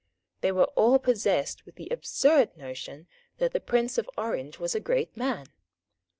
They were all possessed with the absurd notion that the Prince of Orange was a great man.